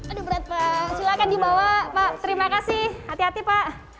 aduh berat pak silakan dibawa pak terima kasih hati hati pak